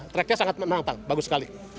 tracknya sangat menantang bagus sekali